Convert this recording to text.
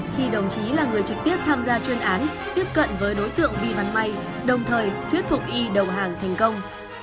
khi đồng chí là người trực tiếp tham gia chuyên án tiếp cận với đối tượng vi văn may đồng thời thuyết phục y đầu hàng thành công